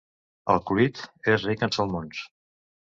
El Clwyd és ric en salmons.